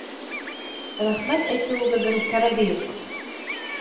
Рәхмәт әйтеүегеҙҙең кәрәге юҡ!